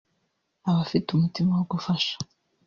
Abafite umutima wo gufasha